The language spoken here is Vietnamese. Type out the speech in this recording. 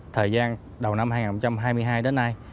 thời gian đầu năm hai nghìn hai mươi hai đến nay